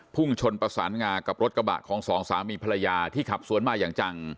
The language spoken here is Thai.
พุ่งชนประสานงากับรถกระบะของสองสามีภรรยาที่ขับสวนมาอย่างจัง